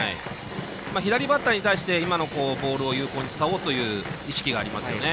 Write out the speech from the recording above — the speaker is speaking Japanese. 左バッターに対して今のボールを有効に使おうという意識がありますね。